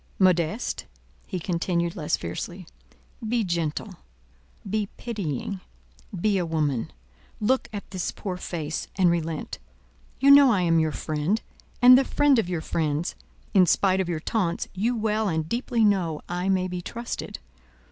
Modeste," he continued less fiercely, "be gentle, be pitying, be a woman; look at this poor face, and relent. You know I am your friend, and the friend of your friends; in spite of your taunts, you well and deeply know I may be trusted.